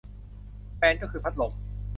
แฟนก็คือพัดลม